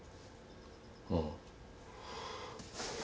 ああ。